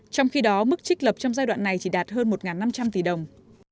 trong khi đó mức trích lập trong giai đoạn này chỉ đạt hơn một năm trăm linh tỷ đồng